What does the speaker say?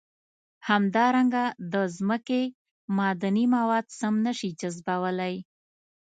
همدارنګه د ځمکې معدني مواد سم نه شي جذبولی.